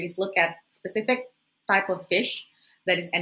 ekosistem yang sehat dan